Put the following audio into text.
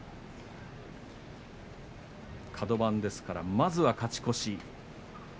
カド番ですからまずは勝ち越し。